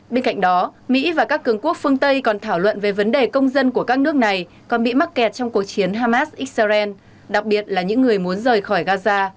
bên cạnh đó mỹ và các cường quốc phương tây còn thảo luận về vấn đề công dân của các nước này còn bị mắc kẹt trong cuộc chiến hamas israel đặc biệt là những người muốn rời khỏi gaza